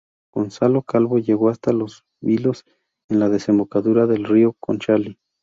Gonzalo Calvo llegó hasta Los Vilos en la desembocadura del río Conchalí.